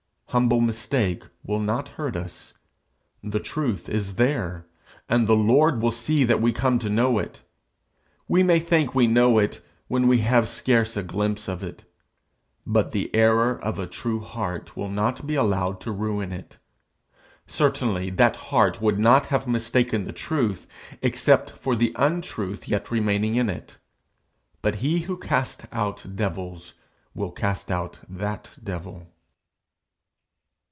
Humble mistake will not hurt us: the truth is there, and the Lord will see that we come to know it. We may think we know it when we have scarce a glimpse of it; but the error of a true heart will not be allowed to ruin it. Certainly that heart would not have mistaken the truth except for the untruth yet remaining in it; but he who casts out devils will cast out that devil.